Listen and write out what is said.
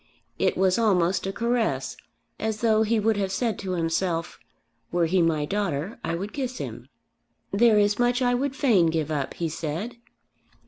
It was almost a caress, as though he would have said to himself, "Were he my daughter, I would kiss him." "There is much I would fain give up," he said.